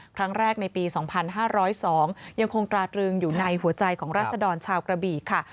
ครั้งแรกในปี๒๕๐๒ยังคงตราตรึงอยู่ในหัวใจของราศดรชาวกระบี่ค่ะ